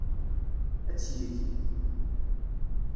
Ad tt-yeg.